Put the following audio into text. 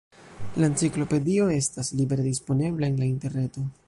La enciklopedio estas libere disponebla en la interreto.